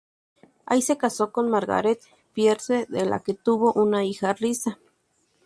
Allí se casó con Margaret Pierce, de la que tuvo una hija, Risa.